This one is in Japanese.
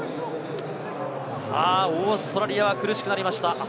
オーストラリアは苦しくなりました。